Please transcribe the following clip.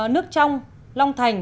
nước trong long thành